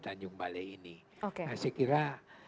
tanjung balai ini nah saya kira